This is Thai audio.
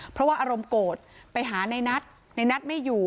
เพราะว่าอารมณ์โกรธไปหาในนัทในนัทไม่อยู่